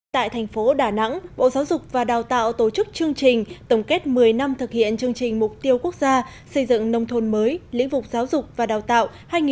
tại thành phố đà nẵng bộ giáo dục và đào tạo tổ chức chương trình tổng kết một mươi năm thực hiện chương trình mục tiêu quốc gia xây dựng nông thôn mới lĩnh vực giáo dục và đào tạo hai nghìn một mươi hai nghìn hai mươi